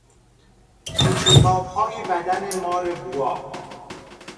پیچ و تابهای بدن مار بوآ